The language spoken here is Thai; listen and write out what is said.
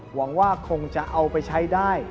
หวังว่าคงจะเอาไปใช้ได้